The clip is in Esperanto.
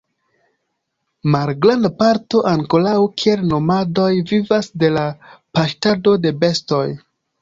Malgranda parto ankoraŭ kiel nomadoj vivas de la paŝtado de bestoj.